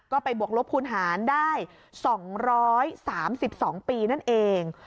ก็ไปบวกลบคูณหารได้๒๓๒ปีนั่นเอง